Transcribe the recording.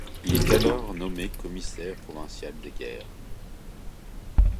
Il est alors nommé commissaire provincial des guerres.